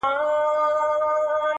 د درد پېټی دي را نیم کړه چي یې واخلم،